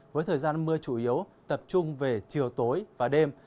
với thời gian mưa chủ yếu tập trung về chiều tối và đêm